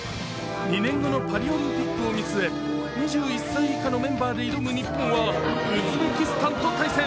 ２年後のパリオリンピックを見据え２１歳以下のメンバーで挑む日本はウズベキスタンと対戦。